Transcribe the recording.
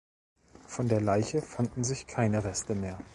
Von der Leiche fanden sich keine Reste mehr.